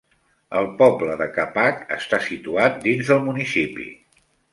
El poble de Capac està situat dins del municipi.